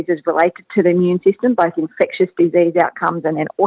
seperti apa yang dijelaskan oleh prof neil